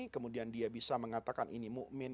kemudian dia bisa mengatakan ini mu'min